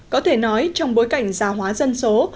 có thể nói trong bối cảnh gia hóa dân số